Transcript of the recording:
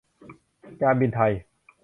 การบินไทย